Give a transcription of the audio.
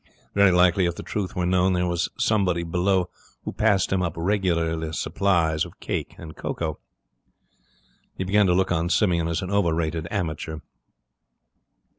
Very likely, if the truth were known, there was somebody below who passed him up regular supplies of cake and cocoa. He began to look on Simeon as an overrated amateur.